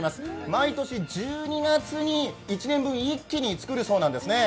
毎年１２月に１年分、一気に作るそうなんですね。